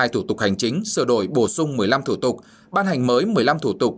hai mươi thủ tục hành chính sửa đổi bổ sung một mươi năm thủ tục ban hành mới một mươi năm thủ tục